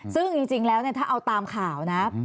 ซึ่งจริงแล้วถ้าเอาตามข่าวนะ